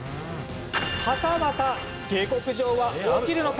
はたまた下克上はできるのか？